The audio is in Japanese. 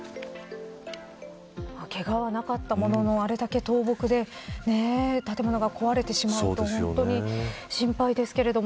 けがはなかったもののあれだけ倒木で建物が壊れてしまうと本当に心配ですけども。